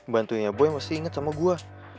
bantuinya boy masih inget sama gue